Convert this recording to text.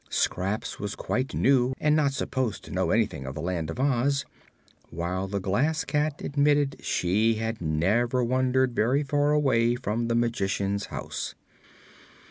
Scraps was quite new and not supposed to know anything of the Land of Oz, while the Glass Cat admitted she had never wandered very far away from the Magician's house.